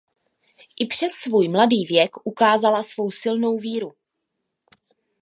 I přes svůj mladý věk ukázala svou silnou víru.